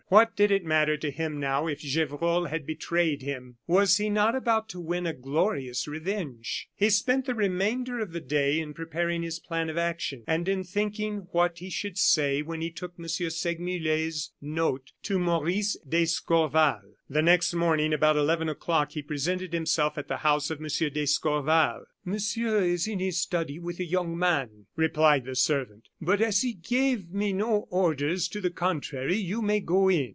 What did it matter to him now if Gevrol had betrayed him! Was he not about to win a glorious revenge? He spent the remainder of the day in preparing his plan of action, and in thinking what he should say when he took M. Segmuller's note to Maurice d'Escorval. The next morning about eleven o'clock he presented himself at the house of M. d'Escorval. "Monsieur is in his study with a young man," replied the servant; "but, as he gave me no orders to the contrary, you may go in."